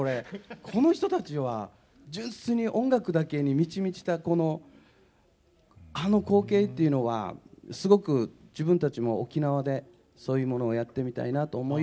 この人たちは純粋に音楽だけに満ち満ちたあの光景っていうのはすごく自分たちも沖縄でそういうものをやってみたいなと思い